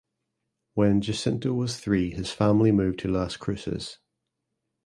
When Jacinto was three his family moved to Las Cruces.